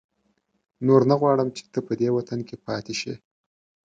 نور نه غواړم چې ته په دې وطن کې پاتې شې.